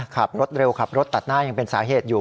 ขับรถเร็วขับรถตัดหน้ายังเป็นสาเหตุอยู่